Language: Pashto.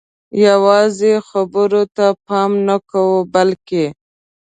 یوازې خبرو ته پام نه کوو بلکې